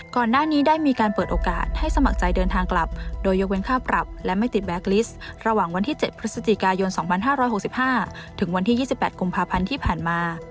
ก่อนหน้านี้ได้มีการเปิดโอกาสให้สมัครใจเดินทางกลับโดยยกเว้นค่าปรับและไม่ติดแบ็คลิสต์ระหว่างวันที่๗พฤศจิกายน๒๕๖๕ถึงวันที่๒๘กุมภาพันธ์ที่ผ่านมา